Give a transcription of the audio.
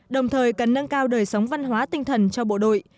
đồng thời cần nâng cao đời sống văn hóa tinh thần cho bộ đội